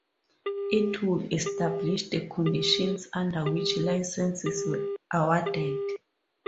It would establish the conditions under which licences were awarded.